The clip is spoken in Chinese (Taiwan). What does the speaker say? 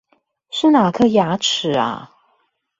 是哪顆牙齒啊